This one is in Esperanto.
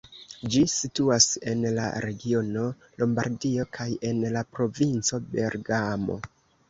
Ĝi situas en la regiono Lombardio kaj en la provinco Bergamo.